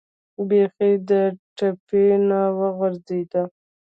بیخي د ټپې نه و غورځېد.